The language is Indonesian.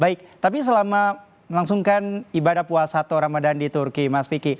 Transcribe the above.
baik tapi selama melangsungkan ibadah puasa atau ramadan di turki mas vicky